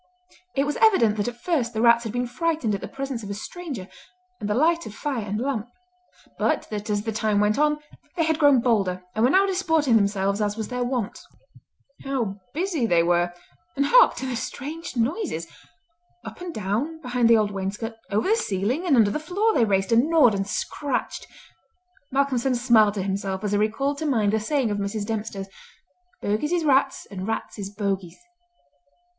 It was evident that at first the rats had been frightened at the presence of a stranger, and the light of fire and lamp; but that as the time went on they had grown bolder and were now disporting themselves as was their wont. How busy they were! and hark to the strange noises! Up and down behind the old wainscot, over the ceiling and under the floor they raced, and gnawed, and scratched! Malcolmson smiled to himself as he recalled to mind the saying of Mrs. Dempster, "Bogies is rats, and rats is bogies!"